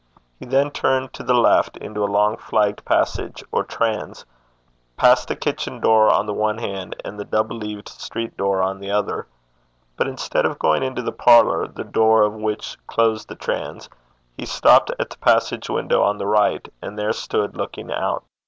He then turned to the left into a long flagged passage or transe, passed the kitchen door on the one hand, and the double leaved street door on the other; but, instead of going into the parlour, the door of which closed the transe, he stopped at the passage window on the right, and there stood looking out.